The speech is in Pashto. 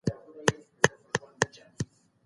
آیا پښتون له خپلو حقونو څخه خبر دی؟